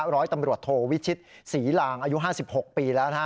ร้อยตำรวจโทวิชิตศรีลางอายุ๕๖ปีแล้วนะฮะ